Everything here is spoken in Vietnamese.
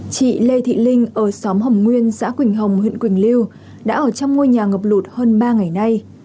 chị lê thị linh ở xóm hồng nguyên xã quỳnh hồng huyện quỳnh lưu đã ở trong ngôi nhà ngập lụt hơn ba ngày nay